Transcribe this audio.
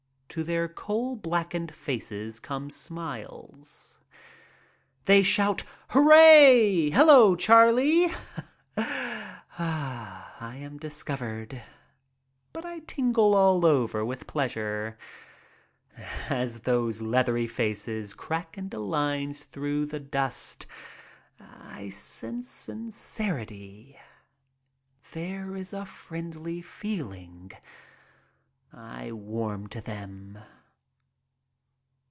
To their coal blackened faces come smiles. They shout '' Hooray !"" Hello, Charlie !'' Ah, I am discovered. But I tingle all over with pleasure. As those leathery faces crack into lines through the dust I sense sincerity. There is a friendly feeling. I warm to them.